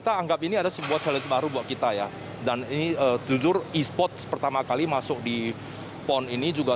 pak pery garis setelah pembukaan seluruh peserta telah berkumpul di papua